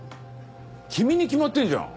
君に決まってんじゃん